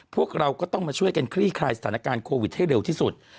พวกเราก็ต้องมาช่วยกันคลี่คลายสถานการณ์โควิดให้เร็วที่สุด